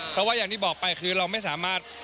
เพราะว่าอย่างที่บอกไปคือเราไม่สามารถ